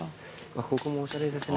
ここもおしゃれですね。